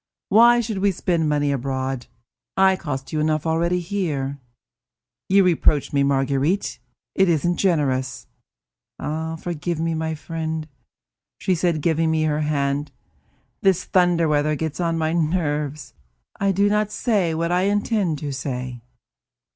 "Why should we spend money abroad? I cost you enough already, here." "You reproach me, Marguerite; it isn't generous." "Forgive me, my friend," she said, giving me her hand. "This thunder weather gets on my nerves; I do not say what I intend to say."